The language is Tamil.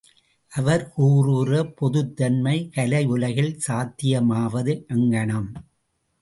அவர் கூறுகிற பொதுத் தன்மை கலையுலகில் சாத்தியமாவது எங்ஙனம்?